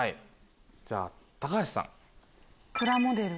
じゃあ橋さん。